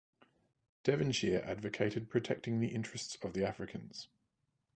Devonshire advocated protecting the interests of the Africans.